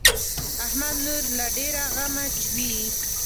احمد نور له ډېره غمه چويي.